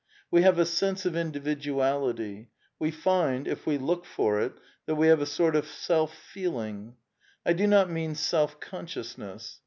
We have a sense of individuality ; we find, if we look for it, that we have a sort of self feeling. I do not mean self consciousness.